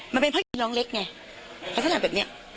มันเป็นพวกนี้น้องเล็กไงเพราะฉะนั้นแบบนี้